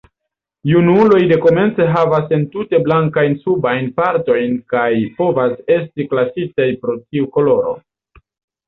Junuloj dekomence havas entute blankajn subajn partojn kaj povas esti klasitaj pro tiu koloro.